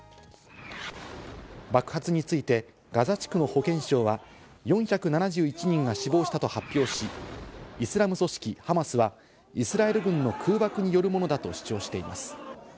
爆発について、ガザ地区の保健省は４７１人が死亡したと発表し、イスラム組織ハマスはイスラエル軍の空爆によるものだと主張しています。